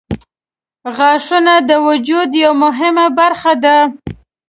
• غاښونه د وجود یوه مهمه برخه ده.